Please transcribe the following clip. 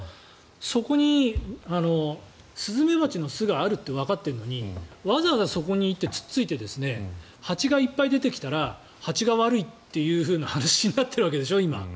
そこにスズメバチの巣があるとわかっているのにわざわざそこにいって突っついて蜂がいっぱい出てきたら蜂が悪いっていう話になっているわけでしょ、今。